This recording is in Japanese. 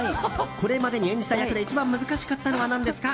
これまでに演じた役で一番難しかったのは何ですか？